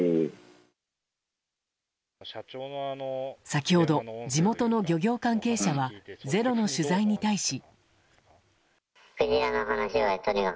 先ほど、地元の漁業関係者は「ｚｅｒｏ」の取材に対し。